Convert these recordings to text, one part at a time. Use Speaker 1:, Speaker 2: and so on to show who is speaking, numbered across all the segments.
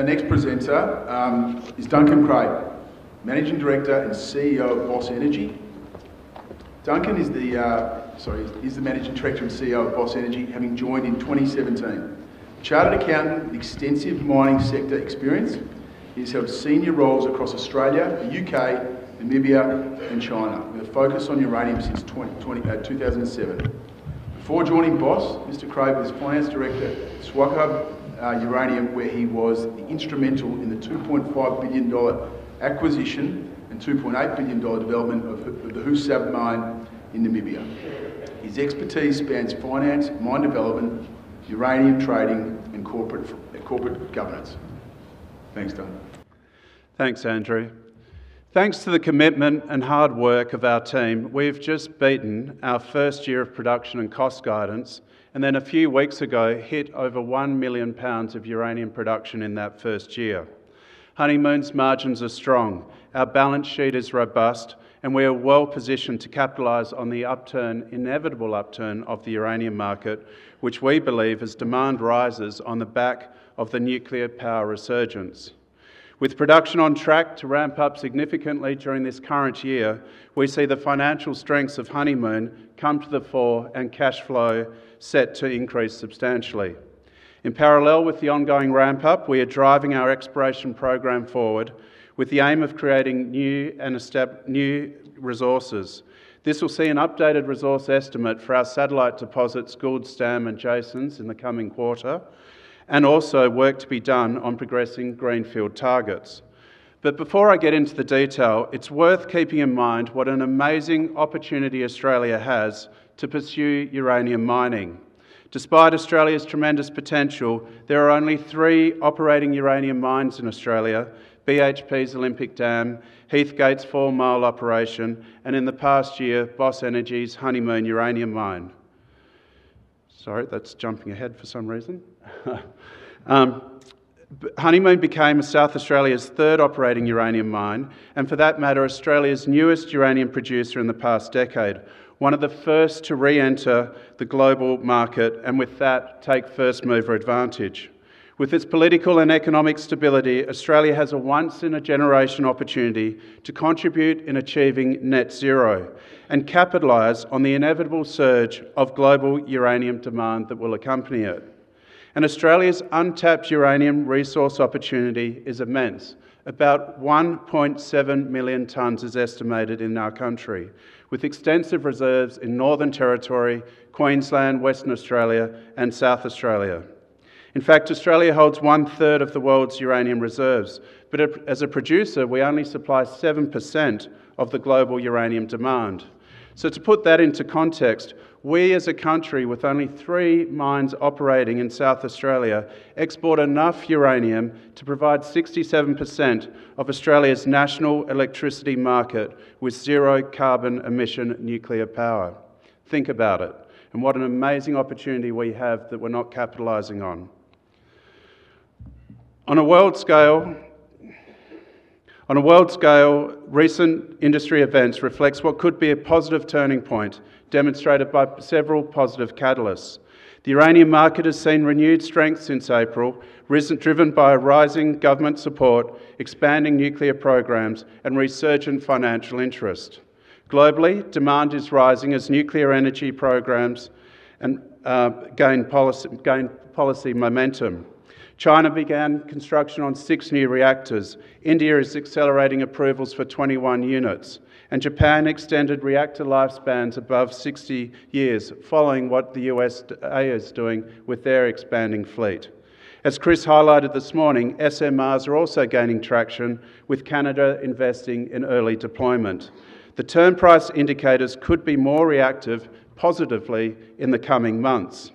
Speaker 1: Our next presenter is Duncan Craib, Managing Director and CEO of Boss Energy. He's the Managing Director and CEO of Boss Energy, having joined in 2017. Chartered accountant, extensive mining sector experience. He's had senior roles across Australia, the U.K., Namibia, and China, with a focus on uranium since 2007. Before joining Boss, Mr. Craib was Finance Director at Swakop Uranium, where he was instrumental in the 2.5 billion dollar acquisition and 2.8 billion dollar development of the Bahu Submine in Namibia. His expertise spans finance, mine development, uranium trading, and corporate governance. Thanks, Dun.
Speaker 2: Thanks, Andrew. Thanks to the commitment and hard work of our team, we've just beaten our first year of production and cost guidance, and then a few weeks ago hit over 1 million pounds of uranium production in that first year. Honeymoon's margins are strong, our balance sheet is robust, and we are well positioned to capitalize on the inevitable upturn of the uranium market, which we believe as demand rises on the back of the nuclear power resurgence. With production on track to ramp up significantly during this current year, we see the financial strengths of Honeymoon come to the fore and cash flow set to increase substantially. In parallel with the ongoing ramp-up, we are driving our exploration program forward with the aim of creating new and establishing new resources. This will see an updated resource estimate for our satellite deposits, Goldstem and Jason, in the coming quarter, and also work to be done on progressing greenfield targets. Before I get into the detail, it's worth keeping in mind what an amazing opportunity Australia has to pursue uranium mining. Despite Australia's tremendous potential, there are only three operating uranium mines in Australia: BHP's Olympic Dam, Heathgate's Four Mile operation, and in the past year, Boss Energy's Honeymoon uranium mine. Honeymoon became South Australia's third operating uranium mine, and for that matter, Australia's newest uranium producer in the past decade, one of the first to re-enter the global market and with that take first mover advantage. With its political and economic stability, Australia has a once-in-a-generation opportunity to contribute in achieving net zero and capitalize on the inevitable surge of global uranium demand that will accompany it. Australia's untapped uranium resource opportunity is immense. About 1.7 million tonnes is estimated in our country, with extensive reserves in Northern Territory, Queensland, Western Australia, and South Australia. In fact, Australia holds one third of the world's uranium reserves, but as a producer, we only supply 7% of the global uranium demand. To put that into context, we as a country with only three mines operating in South Australia export enough uranium to provide 67% of Australia's national electricity market with zero carbon emission nuclear power. Think about it. What an amazing opportunity we have that we're not capitalizing on. On a world scale, recent industry events reflect what could be a positive turning point demonstrated by several positive catalysts. The uranium market has seen renewed strength since April, recently driven by rising government support, expanding nuclear programs, and resurgent financial interest. Globally, demand is rising as nuclear energy programs gain policy momentum. China began construction on six new reactors. India is accelerating approvals for 21 units, and Japan extended reactor lifespans above 60 years following what the U.S.A. is doing with their expanding fleet. As Chris highlighted this morning, SMRs are also gaining traction, with Canada investing in early deployment. The term price indicators could be more reactive positively in the coming months.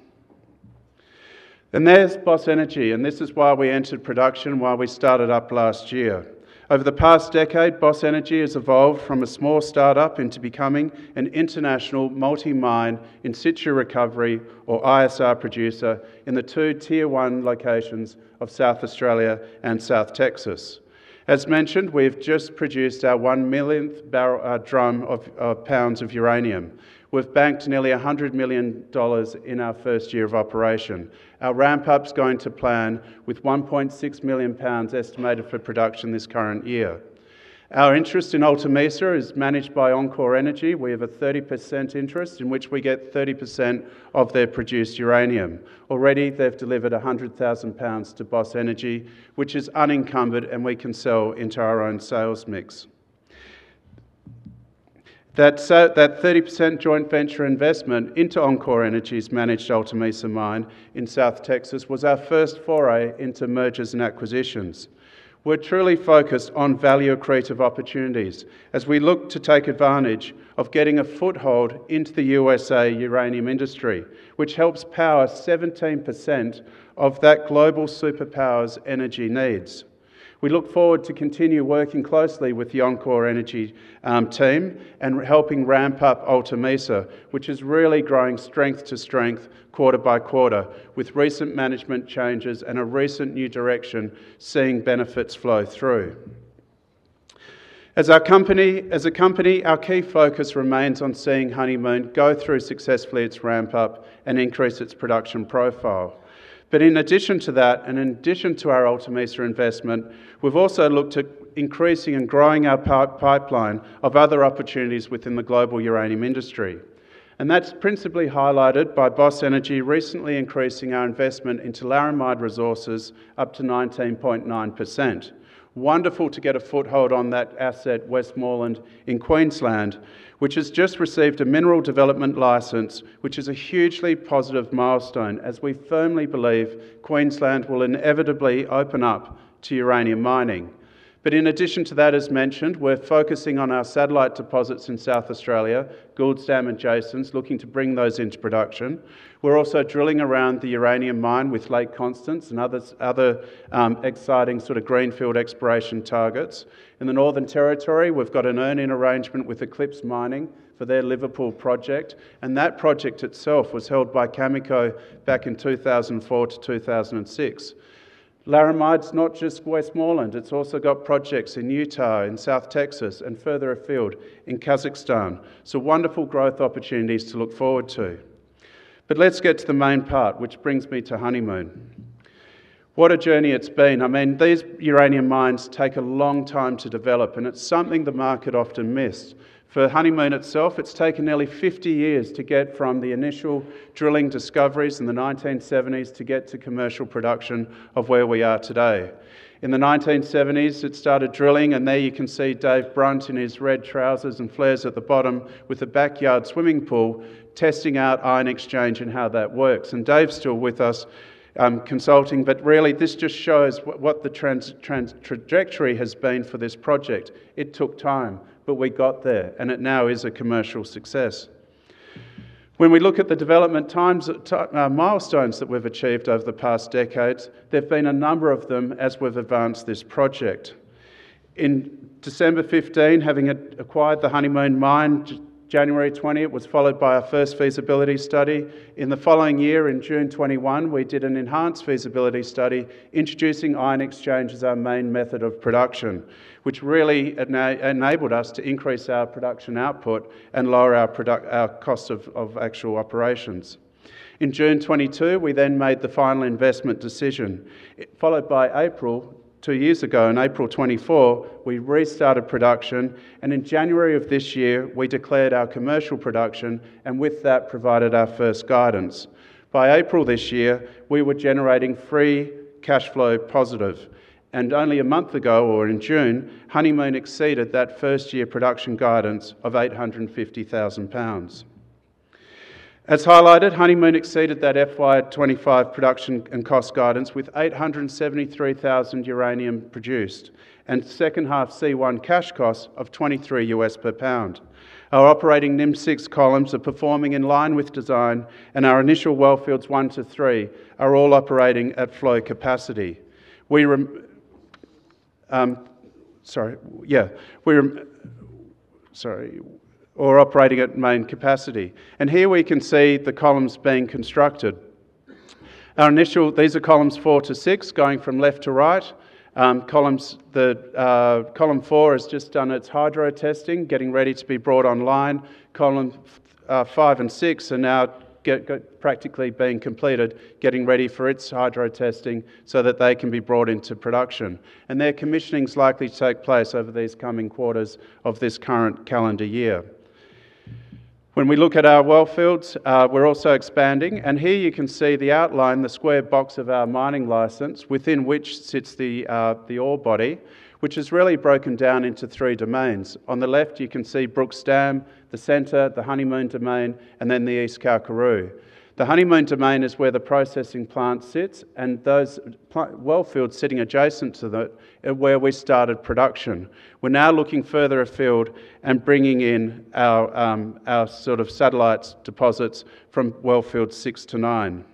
Speaker 2: There's Boss Energy, and this is why we entered production, why we started up last year. Over the past decade, Boss Energy has evolved from a small startup into becoming an international multi-mine in situ recovery or ISR producer in the two Tier 1 locations of South Australia and South Texas. As mentioned, we've just produced our one millionth drum of pounds of uranium. We've banked nearly 100 million dollars in our first year of operation. Our ramp-up is going to plan with 1.6 million pounds estimated for production this current year. Our interest in Alta Mesa is managed by enCore Energy. We have a 30% interest in which we get 30% of their produced uranium. Already, they've delivered 100,000 pounds to Boss Energy, which is unencumbered, and we can sell into our own sales mix. That 30% joint venture investment into enCore Energy's managed Alta Mesa mine in South Texas was our first foray into mergers and acquisitions. We're truly focused on value creative opportunities as we look to take advantage of getting a foothold into the U.S.A. uranium industry, which helps power 17% of that global superpower's energy needs. We look forward to continue working closely with the enCore Energy team and helping ramp up Alta Mesa, which is really growing strength to strength quarter by quarter, with recent management changes and a recent new direction seeing benefits flow through. As a company, our key focus remains on seeing Honeymoon go through successfully its ramp-up and increase its production profile. In addition to that, and in addition to our Alta Mesa investment, we've also looked at increasing and growing our pipeline of other opportunities within the global uranium industry. That is principally highlighted by Boss Energy recently increasing our investment into Laramide Resources up to 19.9%. It is wonderful to get a foothold on that asset, Westmoreland in Queensland, which has just received a mineral development license, which is a hugely positive milestone as we firmly believe Queensland will inevitably open up to uranium mining. In addition to that, as mentioned, we're focusing on our satellite deposits in South Australia, Goldstem and Jason, looking to bring those into production. We're also drilling around the uranium mine with Lake Constance and other exciting sort of greenfield exploration targets. In the Northern Territory, we've got an earn-in arrangement with Eclipse Mining for their Liverpool project, and that project itself was held by Cameco back in 2004 to 2006. Laramide is not just Westmoreland, it's also got projects in Utah, in South Texas, and further afield in Kazakhstan. There are wonderful growth opportunities to look forward to. Let's get to the main part, which brings me to Honeymoon. What a journey it's been. These uranium mines take a long time to develop, and it's something the market often missed. For Honeymoon itself, it's taken nearly 50 years to get from the initial drilling discoveries in the 1970s to get to commercial production of where we are today. In the 1970s, it started drilling, and there you can see Dave Brunt in his red trousers and flares at the bottom with a backyard swimming pool testing out ion exchange and how that works. Dave's still with us, consulting, but really this just shows what the trajectory has been for this project. It took time, but we got there, and it now is a commercial success. When we look at the development times, milestones that we've achieved over the past decades, there have been a number of them as we've advanced this project. In December 2015, having acquired the Honeymoon mine, January 2020, it was followed by our first feasibility study. In the following year, in June 2021, we did an enhanced feasibility study introducing ion exchange as our main method of production, which really enabled us to increase our production output and lower our costs of actual operations. In June 2022, we then made the final investment decision. This was followed by April, two years ago, in April 2024, we restarted production, and in January of this year, we declared our commercial production, and with that provided our first guidance. By April this year, we were generating free cash flow positive, and only a month ago, or in June, Honeymoon exceeded that first-year production guidance of 850,000 pounds. As highlighted, Honeymoon exceeded that FY 2025 production and cost guidance with 873,000 uranium produced and second half C1 cash costs of 23 per pound. Our operating NIM6 columns are performing in line with design, and our initial wellfields one to three are all operating at flow capacity. We're operating at main capacity. Here we can see the columns being constructed. These are columns four to six going from left to right. Column four has just done its hydro testing, getting ready to be brought online. Columns five and six are now practically being completed, getting ready for their hydro testing so that they can be brought into production. Their commissioning is likely to take place over these coming quarters of this current calendar year. When we look at our wellfields, we're also expanding, and here you can see the outline, the square box of our mining license, within which sits the ore body, which is really broken down into three domains. On the left, you can see Goldstem, the center, the Honeymoon domain, and then the East Kalkaroo. The Honeymoon domain is where the processing plant sits and those wellfields sitting adjacent to where we started production. We're now looking further afield and bringing in our sort of satellite deposits from wellfield 6 to 9.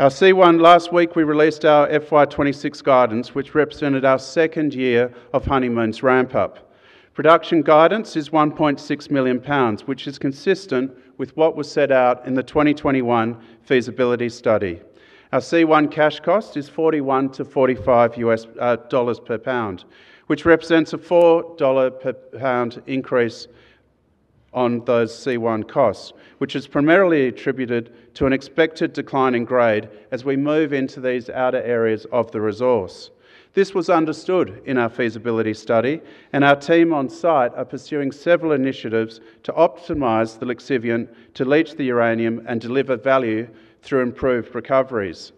Speaker 2: Our C1, last week we released our FY 2026 guidance, which represented our second year of Honeymoon's ramp-up. Production guidance is 1.6 million pounds, which is consistent with what was set out in the 2021 feasibility study. Our C1 cash cost is 41 to AUD 45 per pound, which represents a AUD 4 per pound increase on those C1 costs, which is primarily attributed to an expected decline in grade as we move into these outer areas of the resource. This was understood in our feasibility study, and our team on site are pursuing several initiatives to optimize the lixiviant to leach the uranium and deliver value through improved recoveries.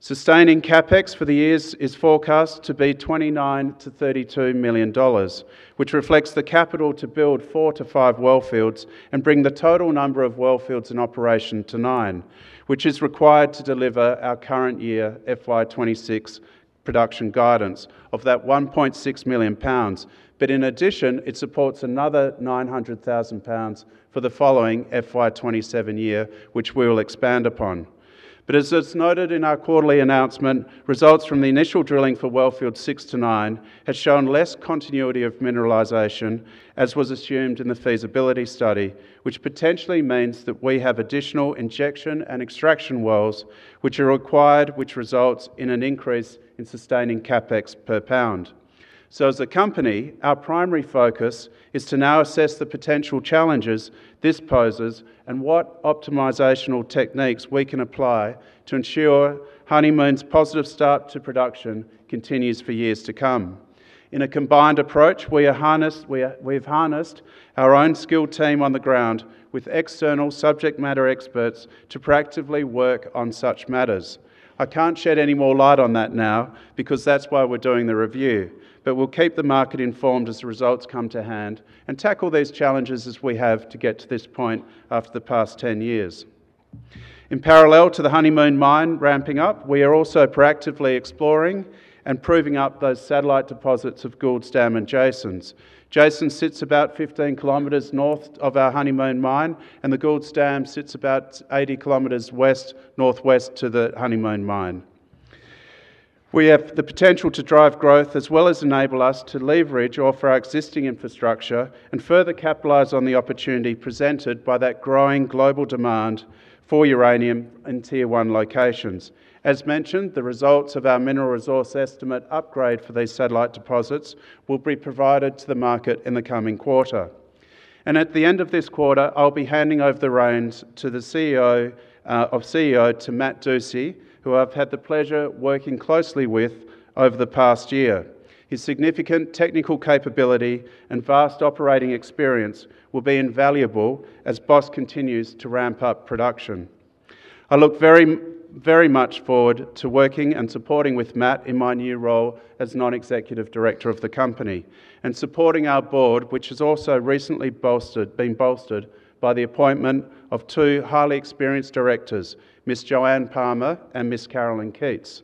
Speaker 2: Sustaining capital expenditure for the years is forecast to be 29 to 32 million dollars, which reflects the capital to build four to five wellfields and bring the total number of wellfields in operation to nine, which is required to deliver our current year FY 2026 production guidance of that 1.6 million pounds. In addition, it supports another 900,000 pounds for the following FY 2027 year, which we will expand upon. As it's noted in our quarterly announcement, results from the initial drilling for wellfields six to nine have shown less continuity of mineralization as was assumed in the feasibility study, which potentially means that we have additional injection and extraction wells required, which results in an increase in sustaining capital expenditure per pound. As a company, our primary focus is to now assess the potential challenges this poses and what optimizational techniques we can apply to ensure Honeymoon's positive start to production continues for years to come. In a combined approach, we have harnessed our own skilled team on the ground with external subject matter experts to proactively work on such matters. I can't shed any more light on that now because that's why we're doing the review, but we'll keep the market informed as the results come to hand and tackle these challenges as we have to get to this point after the past 10 years. In parallel to the Honeymoon mine ramping up, we are also proactively exploring and proving up those satellite deposits of Goldstem and Jason. Jason sits about 15 km north of our Honeymoon mine, and Goldstem sits about 80 km northwest of the Honeymoon mine. We have the potential to drive growth as well as enable us to leverage off our existing infrastructure and further capitalize on the opportunity presented by that growing global demand for uranium in Tier 1 locations. As mentioned, the results of our mineral resource estimate upgrade for these satellite deposits will be provided to the market in the coming quarter. At the end of this quarter, I'll be handing over the reins of CEO to Matt Dusci, who I've had the pleasure of working closely with over the past year. His significant technical capability and vast operating experience will be invaluable as Boss Energy continues to ramp up production. I look very, very much forward to working and supporting with Matt in my new role as Non-Executive Director of the company and supporting our board, which has also recently been bolstered by the appointment of two highly experienced directors, Ms. Joanne Palmer and Ms. Carolyn Keats.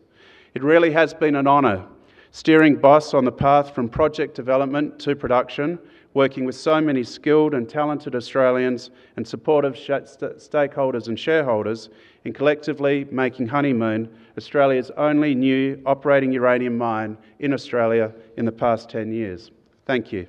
Speaker 2: It really has been an honor steering Boss Energy on the path from project development to production, working with so many skilled and talented Australians and supportive stakeholders and shareholders in collectively making Honeymoon Australia's only new operating uranium mine in Australia in the past 10 years. Thank you.